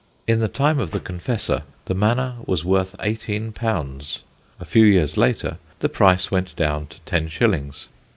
In the time of the Confessor the manor was worth _£_18; a few years later the price went down to ten shillings.